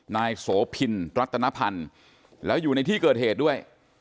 นายโสพินรัตนภัณฑ์แล้วอยู่ในที่เกิดเหตุด้วย